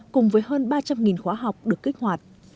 cùng với hơn ba trăm linh khóa học được kích hoạt